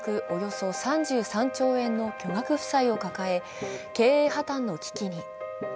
およそ３３兆円の巨額負債を抱え、経営破綻の危機に。